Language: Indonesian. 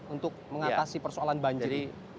untuk mengatasi persoalan banjir